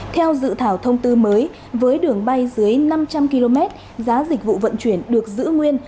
theo dự thảo thông tư mới với đường bay dưới năm trăm linh km giá dịch vụ vận chuyển được giữ nguyên